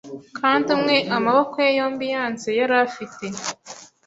Kandi umwe amaboko ye yombi yanze yari afite